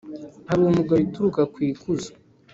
Hari umugayo uturuka ku ikuzo,